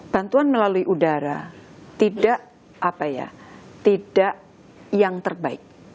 bantuan melalui udara tidak apa ya tidak yang terbaik